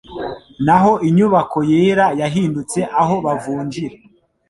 Naho inyubako yera yahindutse aho bavunjira.